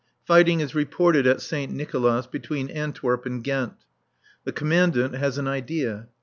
Fighting is reported at Saint Nicolas, between Antwerp and Ghent. The Commandant has an idea.